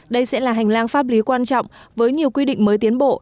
đây sẽ là hành lang pháp lý quan trọng với nhiều quy định mới tiến bộ